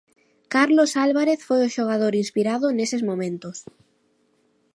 Carlos Álvarez foi o xogador inspirado neses momentos.